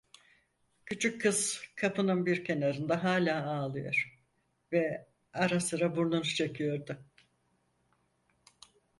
Küçük kız kapının bir kenarında hala ağlıyor ve ara sıra burnunu çekiyordu.